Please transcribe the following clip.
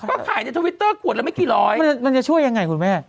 ก็ขายในทวิตเตอร์ขวดละไม่กี่ร้อยมันจะช่วยยังไงคุณแม่